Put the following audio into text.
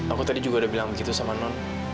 aku tadi juga udah bilang begitu sama non